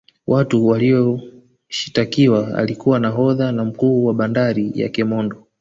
watu Waliyoshitakiwa alikuwa nahodha na mkuu wa bandari ya kemondo